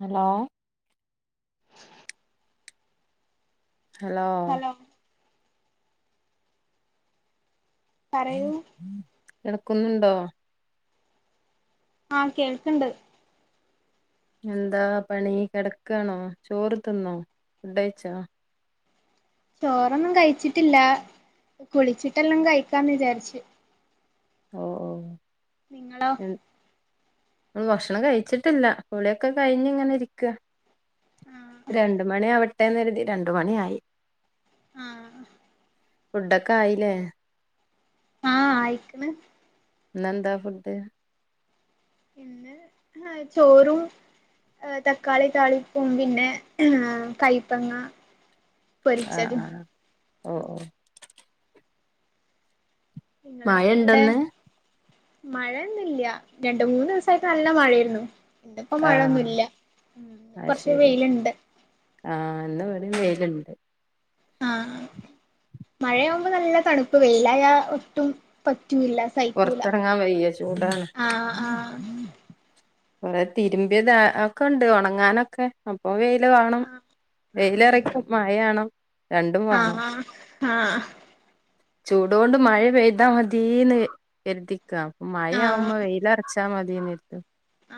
Hello hello പറയൂ. കേൾക്കുന്നുണ്ടോ.? ആഹ് കേൾക്ക്ണ്ട്. എന്താ പണി. കെടക്കാണോ ചോറ് തിന്നോ ഫുഡയിച്ചോ ചോറൊന്നും കഴിച്ചിട്ടില്ല. കുളിച്ചിട്ടെല്ലാം കഴിക്കാന്ന് വിചാരിച്ച്. ഓഹ് ഓഹ് നിങ്ങളോ ഉം ഉം ഭക്ഷണം കഴിച്ചിട്ടില്ല. കുളിയൊക്കെ കഴിഞ്ഞ് ഇങ്ങനെ ഇരിക്ക ആഹ് രണ്ട് മണി ആവട്ടെന്ന് കരുതി. രണ്ട് മണി ആയി. ആഹ് ഫുഡൊക്കെ ആയിലേ? ആഹ് ആയിക്ക്ണ് ഇന്നെന്താ ഫുഡ്? പിന്നെ ഹെ ചോറും എ തക്കാളി താളിപ്പും പിന്നെ കൈപ്പങ്ങ അ പൊരിച്ചതും ആഹ് ഒ ഓഹ് ഇങ്ങളെ അവിടെ മഴണ്ടോന്ന് മഴയൊന്നില്ല്യ രണ്ട മൂന്ന് ദിവസായിട്ട് നല്ല മഴയേരുന്നു ഇപ്പം ആഹ് മഴൊന്നുല്ല അത് കുറച്ച് ശരി വെയിലുണ്ട് ആഹ് ഇന്ന് വടേം വെയിലുണ്ട് ആഹ് മഴയാവ്മ്പ നല്ല തണുപ്പ് വെയിലായ ഒട്ടും പറ്റൂല്ല സഹിക്കൂല പൊർത്തെർങ്ങാൻ വയ്യ ചൂടാണ് ആഹ് കൊറെ തിരുമ്പിയത് ഒക്കെണ്ട് ഒണങ്ങാനൊക്കെ അപ്പൊ വെയില് വേണം. ആഹ് ഉം വെയിലറേക്കും മായയാണം രണ്ടും വേണം ആഹ് ആഹ് ചൂടോണ്ട് മഴ പെയ്താ മതീന്ന് കര്തിക്ക മഴ ആഹ് ആവ്മ്മ വെയിലർച്ചാ മതിന്നര്തും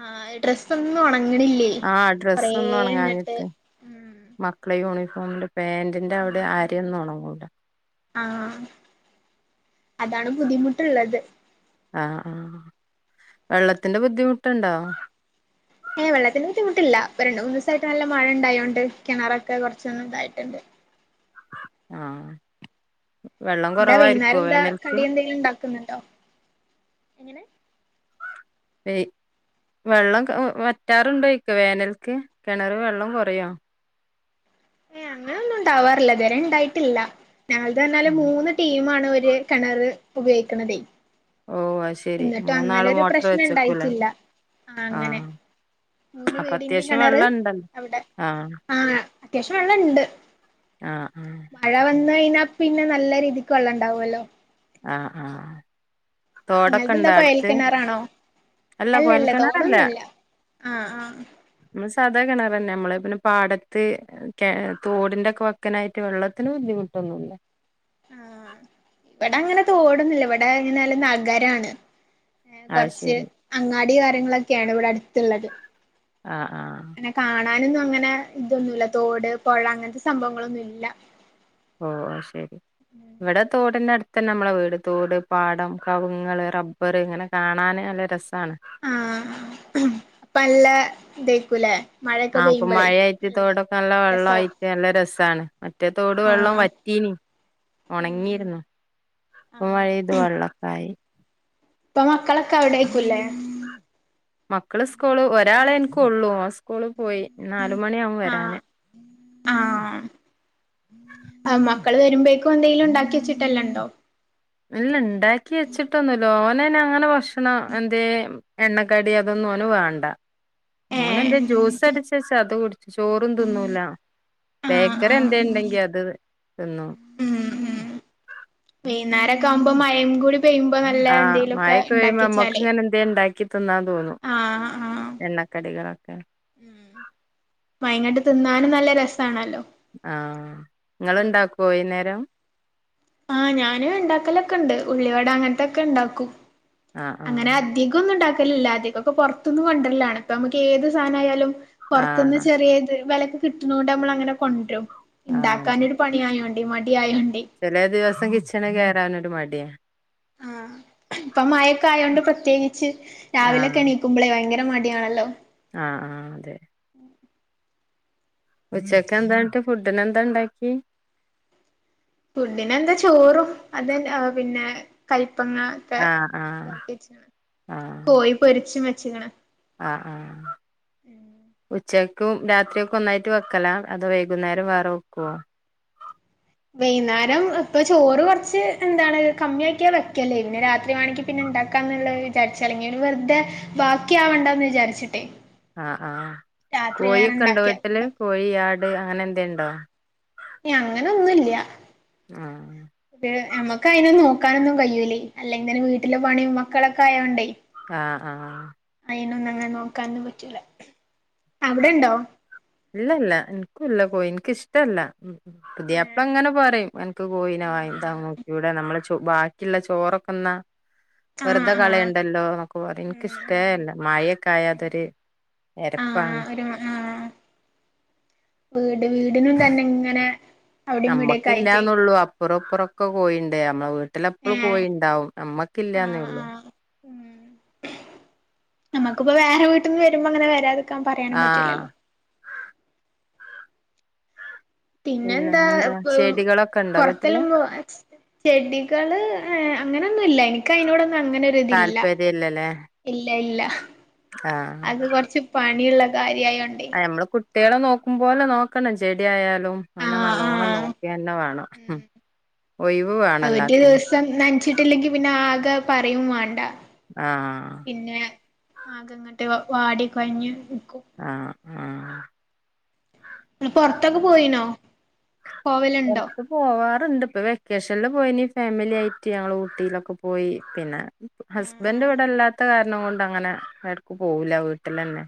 ആഹ് ഡ്രസ്സ് ഒന്നും ഒണങ്ങ്ണില്ലേ ആഹ് ഡ്രസ്സ് ഒന്നും ഒണ്ങ്ങാനിട്ട് ഉം മക്കളെ യൂണിഫോമിന്റെ പാാന്റിന്റെ ഉം അവിടെ ഉം അരയന്നും ഒണങ്ങൂല ആഹ് അതാണ് ബുദ്ധിമുട്ട്ള്ളത് ആഹ് ആഹ് വെള്ളത്തിന്റെ ബുദ്ധിമുട്ട്ണ്ടോ ഏഹ് വെള്ളത്തിന്റെ ബുദ്ധിമുട്ടില്ല. പ്പ രണ്ട് മൂന്നൂസായിട്ട് നല്ല മഴണ്ടായോണ്ട് കിണറൊക്കെ കൊർച്ചൊന്നും ണ്ടായിട്ടുണ്ട് ആഹ് എന്താ വൈന്നേരം എന്താ വേനൽക്ക് കടി എന്തെങ്കിലും ഇണ്ടാക്കുന്നുണ്ടോ ഇങ്ങനെ വെള്ളം വറ്റാറ്ണ്ടോയ്ക്ക വേനൽക്ക് കെണറ് വെള്ളം കൊറയോ ഏഹ് അങ്ങനെ ഒന്നും ഉണ്ടാവാറില്ല ഇതുവരെ ഇണ്ടായിട്ടില്ല ഞങ്ങൾതർഞ്ഞാല് മൂന്ന് ടീമാണ് ഒരു കെണറ് ഉപയോഗിക്ക്ണതെ ഓഹ് അത് ശരി മൂന്നാള് ഒരു മോട്ടർ പ്രശ്നം വെച്ചക്കൂലേ ഉണ്ടായിട്ടില്ല ആ അങ്ങനെ ആഹ് മൂന്ന് അപ്പൊ വീടിന്റെ അത്യാവശ്യം വെള്ളണ്ടല്ലോ ആഹ് ആഹ് അത്യാവശ്യം വെള്ളംണ്ട് ആഹ് മഴ വന്നഴിഞ്ഞാ പിന്നെ നല്ല രീതിക്ക് വള്ളണ്ടാവൊല്ലോ ആഹ് ആഹ് തോടൊക്കെ ഇങ്ങൾതെന്താ ഇണ്ടാ കൊയൽ അടുത്ത് കിണറാണോ അല്ല അല്ലല്ല കോയൽക്കിണറല്ല തോടൊന്നുല്ല ആഹ് ആഹ് നമ്മള് സാധാ കെണറന്നെ മ്മളെ പിന്നെ പാടത്ത് തോടിന്റൊക്കെ വക്ക്നായിട്ട് വെള്ളത്തിന് ബുദ്ധിമുട്ടൊന്നുംല്ല ആ ഇവിടെ അങ്ങനെ തോടൊന്നുല്ല ഇവിടെ ഇങ്ങനെ നല്ല നഗരാണ് അത് കൊർറച്ച് ശരി അങ്ങാടി കാര്യങ്ങളൊക്കെയാണ് ഇവിടെ അട്ത്ത്ള്ളത് ആഹ് ആഹ് ന്നെ കാണാനൊന്നും അങ്ങനെ ഇതൊന്നുല്ല തോട്, പൊഴ അങ്ങൻത്തെ സംഭവങ്ങളൊന്നുംല്ല. ഓഹ് അയ് ശരി ഇവിടെ തോടിന്റെ അട്ത്തന്നെ നമ്മളെ വീട് തോട്, പാടം, കവുങ്ങൾ, റബ്ബർ ഇങ്ങനെ കാണാന് നല്ല രസാണ് ആഹ് പ്പല്ല ഇതയ്ക്കൂല്ലേ ആഹ് ഇപ്പൊ മഴയായിട്ട് തോടൊക്കെ നല്ല വെള്ള രസാവും ആയിട്ട് നല്ല രസാണ് റ്റേ തോട് വെള്ളം ആഹ് വറ്റീനി ഉം ഉം ഒണങ്ങിയിരുന്നു ഇപ്പം ആഹ് മഴെയ്ത് വള്ളൊക്കായി. ഇപ്പം മക്കളക്കവിടേക്കുലെ. മക്കള് സ്കൂള് ഒരാളെ ഇൻക്കൊള്ളൂ. ഓൻ സ്കൂള് പോയി നാല് മണിയാവും ആഹ് വരാന്. ആഹ് ആഹ് മക്കള് വര്മ്പേക്കും എന്തെങ്കിലും ഇണ്ടാക്കി വെച്ചിട്ടല്ലംണ്ടോ? ഇല്ല ഇണ്ടാക്കി വെച്ചിട്ടൊന്നുല്ല. ഓനയ്നങ്ങനെ ഭക്ഷണം എന്തേം എണ്ണക്കടി അതൊന്നും ഓന് വേണ്ട ഏഹ് ഓനെന്തേം ജ്യൂസ് അടിച്ചെച്ചാ അത് കുട്ടച് ചോറും തിന്നൂല ആഹ് ബേക്കറി ആഹ് ന്തേം ഇണ്ടെങ്കി അത് തിന്നൂ ഉം ഉം വൈന്നാരൊക്കാവുമ്പോ മഴിം കൂടിം പെയ്യുമ്പം നല്ല എന്തേലൊക്കെ ഇണ്ടാക്ക്യേച്ചാലേ എന്തേം ണ്ടാക്കി തിന്നാൻ തോന്നും ആഹ് എണ്ണക്കടികളൊക്കെ. ഉം മഴങ്ങട്ട് തിന്നാനും നല്ല രസാണല്ലോ. ആഹ് ഇങ്ങള്ണ്ടാക്കോ വൈന്നേരം ആഹ് ഞാന് ഇണ്ടാക്കലൊക്കെണ്ട് ഉള്ളിവട അങ്ങനത്തൊക്കെ ണ്ടാക്കും. ആഹ് അങ്ങനെ ആഹ് അധികൊന്നും ഇണ്ടാക്കലില്ല അധികൊക്കെ പൊർത്ത്ന്ന് കൊണ്ടരലാണ് ഇപ്പൊ നമുക്ക് ഏത് സാനായാലും പൊർത്ത്ന്ന് ആഹ് ചെറിയ ത് വിലക്ക് കിട്ട്ണോണ്ട് നമ്മൾ അങ്ങനെ കൊണ്ട്രും ആഹ് അതെ ഇണ്ടാക്കാനൊരു പണിയായോണ്ടേ മടിയായോണ്ടേ ചെലേ ദിവസം കിച്ചണി കേറാനൊര് മടിയാ ആഹ് ഇപ്പം മഴൊക്കെ ആയൊണ്ട് പ്രത്യേകിച്ച് ആഹ് രാവിലൊക്കെ എണീ കുമ്പളെ ഭയങ്കര മടിയാണല്ലോ. ആഹ് ആഹ് അതെ ഉച്ചക്കെന്താ [unintelligible] ഫുഡിനെന്താണ്ടാക്കി ഫുഡിനെന്താ ചോറും അതൻ പിന്നെ കൈപ്പങ്ങ ക്കെ ആഹ് ആഹ് ഇതാകിയേച്ണ് ആഹ് കോഴി പൊരിച്ചും വെച്ച്ക്ക്ണ് ആഹ് ആഹ് ഉച്ചക്കും രാത്രിയൊക്കെ ഒന്നായിട്ട് വെക്കലാ അതോ വൈകുന്നേരം വേറെ വെക്കോ വൈന്നാരം ഇപ്പൊ ചോറ് കൊർച്ച് എന്താണ് കമ്മിയാക്കി വെക്കല് പിന്നെ രാത്രി വേണങ്കി പിന്നെ ഇണ്ടാക്കാ ന്നുള്ളത് വിചാരിച്ചാലേ ഇഞ് പിന്നെ വെർതെ ബാക്കിയാവണ്ടാന്ന് വിചാരിച്ചിട്ടേ. ആഹ് ആഹ് രാത്രി വേറെ കോയിയൊക്കെ ഉണ്ടോ ഇണ്ടാക്കിയ വീട്ടില് കോഴി, ആട്, അങ്ങനെ എന്തേംണ്ടോ ഏഹ് അങ്ങനെ ഒന്നുല്ല്യ ആഹ് പിന്നെ ഞമ്മക്കയ്നെ നോക്കാനൊന്നും കയ്യൂലേ അല്ലെങ്കിതന്നെ വീട്ടിലെ പണിം മക്കളൊക്കെ ആയോണ്ടേ ആഹ് ആഹ് അയിനൊന്നും അങ്ങനെ നോക്കാനൊന്നും പറ്റൂല അവിടെണ്ടോ ഇല്ലല്ല ഇൻക്കുല്ല കോഴി ഇൻക്ക് ഇഷ്ടല്ല ഏഹ് പുത്യാപ്പള ങ്ങനെപറിയു അൻക്ക് കോഴിനെ വാങ്ങി ദാ നോക്ക്‌യൂടെ നമ്മളെ ചു [unintelligible] ബാക്കിള്ള ചോറൊക്കെ ന്നാ ആഹ് വെറുതെ ആഹ് കളയണ്ടലോന്നൊക്കപറിയും ഉം ഉം ഇൻക്കിഷ്ടേല്ല മഴെക്കെയാതൊര് എരപ്പാണ് [unintelligible] ആഹ് വീട് വീടിനും തന്നെങ്ങനെ നമ്മക്കില്ലാന്നൊള്ളൂ അ [unintelligible] ഇപ്പുറൊക്കെ കോഴിണ്ട് നമ്മളെ വീട്ടിലെപ്പളും ഏഹ് കോഴിണ്ടാവും ആഹ് നമ്മക്കില്ലാന്നേള്ളൂ ആഹ് ഉം നമക്കിപോ വേറെ വീട്ടിന്നു വരുമ്പം അങ്ങനെ വരാതക്കാൻ പറയാനും ആഹ് പറ്റൂല്ലല്ലോ. പിന്നെന്താ പ് ചെടികളൊക്കെ ഉണ്ടോ വീട്ടില് പൊർത്തെല്ലാം പോവ ചെടികള് ഏഹ് അങ്ങനൊന്നുല്ല. ഇനിക്കയ്നോടൊന്നും അങ്ങനൊ രുതില്ല താല്പര്യല്ലല്ലേ ഇല്ല ഇല്ല ആഹ് അത് കൊർച്ച് പണിള്ള കാര്യായോണ്ടെ ആഹ് നമ്മള് കുട്ടിയോളെ നോക്കുമ്പോലെ നോക്കണം ചെടി ആയാലും അങ്ങനെ ആഹ് നല്ലോണ്ണം ആഹ് നോക്കി തന്നെ വേണം മ് ഒഴിവ് വേണം എല്ലാത്തിനും ഇത് നനച്ചിട്ടില്ലെങ്കി പിന്നെ ആകെ പറയും വാണ്ട ആഹ് പിന്നെ ആകെ ഇങ്ങട്ട് വാടി കൊഴഞ് നിക്കും ആഹ് ആഹ് പൊറത്തൊക്കെ പോയിനോ? പോവലുണ്ടോ [unintelligible] പോവാറ്ണ്ട് ഇപ്പൊ വെക്കേഷനില് പോയീനി ഫാമിലിയായിട്ട് ഞങ്ങള് ഊട്ടിയിലൊക്കെ പോയി പിന്നെ ആഹ് ഹസ്ബൻഡ് ആഹ് ഇവടെ ഇല്ലാത്ത കാരണം കൊണ്ട് അങ്ങനെ എടക്ക് പോവൂല്ല വീട്ടിലന്നെ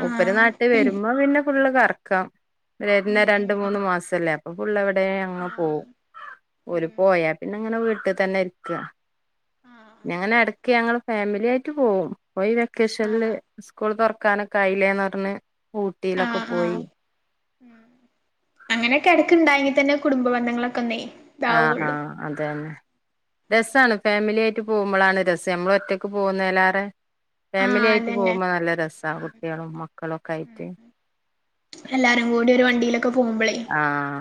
മുൂപ്പര് നാട്ടില് ആഹ് വരുമ്പം പിന്നെ ഫുള്ള് കറക്കം വരുന്ന ഉം ഉം രണ്ട് മൂന്ന് മാസല്ലേ? അപ്പൊ ഫുള്ള് എവിടെ അങ്ങ് പോവും ആഹ് ഉം ഓല് പോയാ പിന്നെ ഇങ്ങനെ വീട്ടി തന്നെയിരിക്കും ആഹ് പിന്നെങ്ങനെ എടക്ക് ഞങ്ങള് ഫാമിലിയായിട്ട് പോവും ഇപ്പൊ ഈ വെക്കേഷനിൽ ആഹ് സ്കൂൾ തൊറക്കാനൊക്കെ ആയില്ലേന്ന് പറഞ്ഞ് ഊട്ടി ഊട്ടിയിലൊക്കെ ആഹ് പോയി ആഹ് ഉം അങ്ങനെക്കെ എടക്ക് ഇണ്ടായെങ്കി തന്നെ കുടുംബ ബന്ധങ്ങളൊക്കെ ഒന്നെ ആഹ് ആഹ് അത് തന്നെ രസാണ് ഫാമിലിയായിട്ട് പോകുമ്പളാണ് രസം നമ്മള് ഒറ്റക്ക് പോകുന്നലേറെ ഫാമിലി ആഹ് ആയിട്ട് അതന്നെ പോകുമ്പം നല്ല രസ കുട്ടിയളും മക്കളും ഒക്കെ ആയിട്ട് എല്ലാരും കൂടി ഒരു വണ്ടിയിലൊക്കെ പോവുമ്പളേ ആഹ്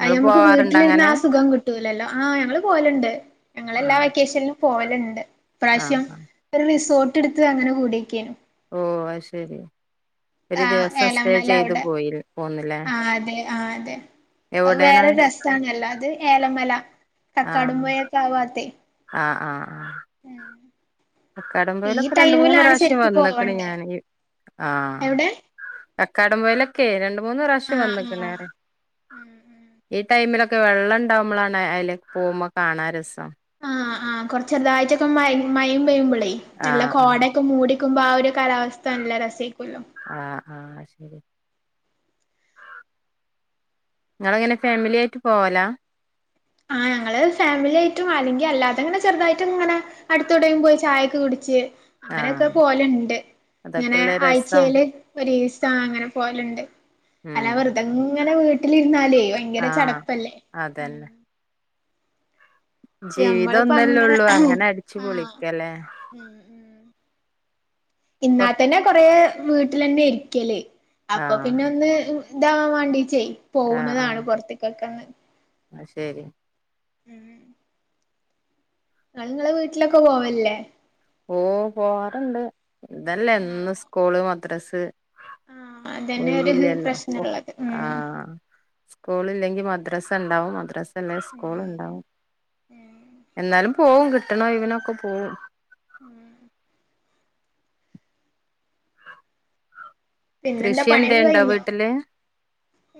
ആ ഞമ്മക്ക് പോവാറുണ്ടോ വീട്ടിലിരുന്ന് അങ്ങനെ ആ സുഖം കിട്ടൂലല്ലോ? ആഹ് ഞങ്ങള് പോവല്ണ്ട് ഞങ്ങള് എല്ലാ ആഹ് വെക്കേഷനിലും പോവല്ണ്ട് ആഹ് ഇപ്രാവിശ്യം ആഹ് ഒരു റിസോർട്ട് എടുത്ത് അങ്ങനെ കൂടിയെക്കേനി ഓഹ് അഹ് ശരി ഒരു ആഹ് ദിവസം സ്റ്റേ ഏലമല ചെയ്തു അവിടെ പോയിലേ? ആഹ് അതെ ആഹ് അതെ അത് എവിടെയാണ് വേറൊരു രസാണല്ലോ അത് ഏലമല ആഹ് കക്കാടുംപുഴ ഒക്കെ ആ ഭാഗത്ത് ആഹ് ആഹ് ഉം കക്കാടം പുഴയില് ഒക്കെ രണ്ട് മൂന്ന് പ്രാവിശ്യം ശരിക്കും വന്ന്ക്ക്ണ് പോവണ്ടേ ഞാന് ആഹ് എവിടെ കക്കാടം പുഴയിലൊക്കെ രണ്ട് മൂന്ന് പ്രാവിശ്യം ആഹ് വന്ന്ക്ക്ണ് ആഹ് പറയ ഉം ഈ ടൈമിലൊക്കെ വെള്ളം ഇണ്ടാവുമ്പളാണ് അതിലെ പോകുമ്പം കാണാൻ രസം ആഹ് ആഹ് കൊറച്ച് ചെറുതായിട്ടൊക്കെ മഴിം മഴിം പെയ്യുമ്പളേ നല്ല ആഹ് ആഹ് കോടയെ ക്കെ മൂടി നിക്കുമ്പോ ആ ഒരു കാലാവസ്ഥ നല്ല രസേക്കുവല്ലോ ആഹ് ആഹ് അഹ്ശരിയ ഇങ്ങളെങ്ങനെ ഫാമിലി ആയിട്ട് പോവല? ആഹ് ഞങ്ങള് ഫാമിലി ആയിട്ടും അല്ലെങ്കി അല്ലാതെങ്ങനെ ചെറുതായിട്ടൊക്കെ ഇങ്ങനെ അടുത്ത് എവിടേലും പോയി ചായൊക്കെ കുടിച്ച് അങ്ങനെക്കെ ആഹ് പോവല്ണ്ട് ഇങ്ങനെ അതൊക്കെല്ലേ രസം ആഴ്ച്ചേല് ഒരീസ അങ്ങനെ പോവലുണ്ട് ഉം എല്ല വെറ്തെ ഇങ്ങനെ വീട്ടിലിരുന്നാലേ ഭയങ്കര ആഹ് ചടപ്പല്ലേ? അതന്നെ ഇപ്പൊ ജീവിതം ഞമ്മള്പ്പൊ ഒന്നല്ലേ അങ്ങനെ ഒള്ളൂ അങ്ങനെ അടിച്ചു ആഹ് പൊളിക്കല്ലേ ഉം ഉം കൊർ ഇന്നാത്തന്നെ കൊറേ വീട്ടിലന്നെ ഇരിക്കല് അപ്പൊ ആഹ് പിന്നെ ഒന്ന് ഇതാവാൻ വേണ്ടിയിട്ടെ പോവ്ണതാണ് പൊറത്ത്ക്കൊക്കെ ഒന്ന് അഹ് ശരിയ ഉം ഇങ്ങള് ഇങ്ങളെ വീട്ടിലൊക്കെ പോവലില്ലേ? ഓഹ് പോവാറ് ണ്ട് ഇതല്ലേ എന്നും ആഹ് സ്കൂള്, മദ്രസ് ആഹ് അതന്നെ ഒരു ഒഴിവില്ലല്ലോ ഓഹ് പ്രശ്നള്ളത് ഉം ആഹ് സ്കൂള് ഇല്ലെങ്കി മദ്രാസ ഇണ്ടാവും മദ്രസ് അതല്ലേ സ്കൂള് ഇണ്ടാവും എന്നാലും പോവും കിട്ട്ണ ഒഴിവ്നൊക്കെ പോവും ഉം പിന്നെന്താ കൃഷി എന്തേ പണിയൊക്കെ ഉണ്ടോ കഴിഞ്ഞോ? വീട്ടില്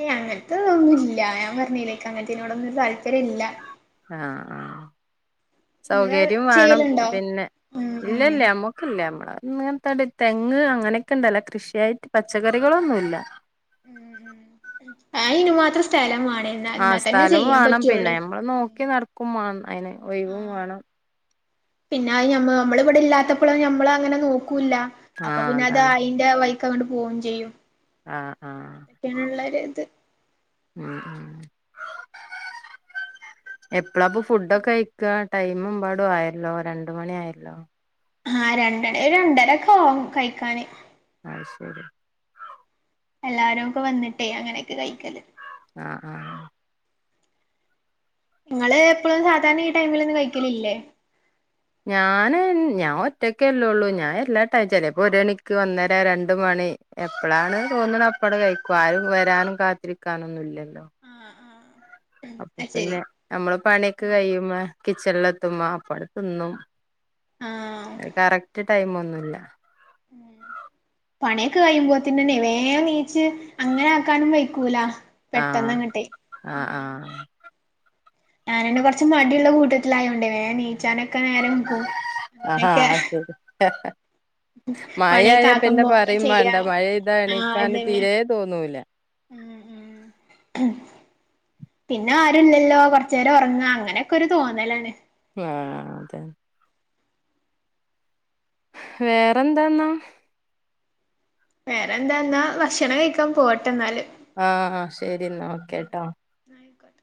ഏയ് അങ്ങനത്തെ ഇതൊന്നും ഇല്ല ഞാൻ പറഞ്ഞീലെ ഇൻക്ക് അങ്ങനത്തനോടൊന്നും ഒര് താല്പര്യ ഇല്ല. ആഹ് ആഹ് ഇങ്ങള് സൗകര്യം വേണം ചെയ്യലുണ്ടോ പിന്നെ ഉം ഉം ഇല്ലല്ല നമ്മ ക്ക്ല്ല നമ്മള് ഇങ്ങനത്തെത് തെങ്ങ് അങ്ങനെയൊക്കെണ്ട് അല്ലാതെ കൃഷിയായിട്ട് പച്ചക്കറികളൊന്നുല്ല. അത് അയിന് മാത്രം സ്ഥലം വാണേ എന്നാ എന്നാ ആഹ് തന്നെ സ്ഥലും ചെയ്യാൻ വേണം പറ്റുള്ളൂ പിന്നെ നമ്മള് നോക്കി നടക്കും മാ അതിന് ഒഴിവും ആഹ് വാണം. പിന്നെ അത് ഞമ്മ നമ്മള് ഇവിടെ ഇല്ലാത്തപ്പള് നമ്മള് അങ്ങനെ നോക്കൂല്ല അപ്പൊ ആഹ് പിന്നെ അതാണ് അതായി ന്റെ വഴിക്ക് അങ്ങട്ട് പോവും ചെയ്യും. ആഹ് ആഹ് ക്ക്യാണ്ള്ളോര്ത് ഉം ഉം എപ്പളാപ്പൊ ഫുഡൊക്കെ കഴിക്കാ ടൈമ് എബാടും ആയല്ലോ രണ്ട് മണി ആയല്ലോ. ആഹ് രണ്ടണി രണ്ടരൊക്കെ ആവും കഴിക്കാന്. അത് ശരി എല്ലാരും ഒക്കെ വന്നിട്ടേ അങ്ങനെയൊക്കെ കഴിക്കല്. ആഹ് ആഹ് ഇങ്ങള് എപ്പളും സാധാരണ ഈ ടൈമിലെന്നും കഴിക്കലില്ലേ? ഞാന് ഞാൻ ഒറ്റക്കല്ലേള്ളൂ ഞാൻ എല്ലാ ടൈ ചെലപ്പോ ഒരണിക്ക് ഒന്നര രണ്ട് മണി. എപ്പളാണ് തോന്ന്ണ അപ്പാണ്ട് കഴിക്കും ആരും വരാനും കാത്തിരിക്കാനൊന്നുംല്ലല്ലോ. ആഹ് ആഹ് അപ്പൊ അത് ശരി പിന്നെ നമ്മള് പണിയൊക്കെ കഴിയുമ്പോ കിച്ചണില് എത്തുമ്പോ അപ്പാണ്ട് തിന്നും. ആഹ് അത് കറക്റ്റ് ടൈമൊന്നുല്ല. പണിയൊക്കെ കഴിയുമ്പോത്തിന്നെന്നെ വേം നീച്ച് അങ്ങനെ ആക്കാനും വെയ്ക്കൂല. ആഹ് ആഹ് ആഹ്. ഞാനയ്ന് കൊറച്ച് മടിള്ള കൂട്ടത്തിലയോണ്ടേ വേം നീച്ചാനൊക്കെ നേരം വെകും. ആഹ് അത് ശരി പണിയൊക്കെ മഴയായാ ആക്കം പിന്നെ പോലെ പറയും മാണ്ട ചെയ്യാ മഴ പെയ്താ ആഹ് എണിക്കാന് അതന്നെ തീരെ തോന്നൂല. ഉം ഉം പിന്നെ ആരുല്ലല്ലോ കൊറച്ചേരം ഒറ്ങ്ങ അങ്ങനൊക്കെ ഒരു തോന്നലാണ്. ആഹ് അതെ വേറെന്താന്നാ വേറെ എന്താന്നാ ഭക്ഷണം കഴിക്കാൻ പോവട്ടെ ഇന്നാല്. ആഹ് ആഹ് ശെരിന്നാ ഓക്കെ ട്ടോ. ആയിക്കോട്ടെ.